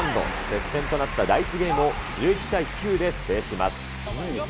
接戦となった第１ゲームを１１対９で制します。